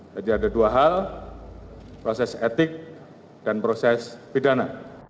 jadi ada dua hal proses etik dan proses pidana